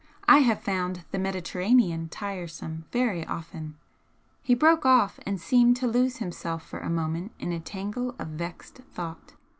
I have found the Mediterranean tiresome very often." He broke off and seemed to lose himself for a moment in a tangle of vexed thought.